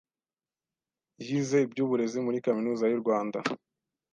yize iby’uburezi muri kaminuza y’u Rwanda